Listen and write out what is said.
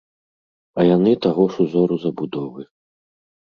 А яны таго ж узору забудовы!